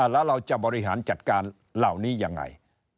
แล้วเราจะบริหารจัดการเหล่านี้ยังไง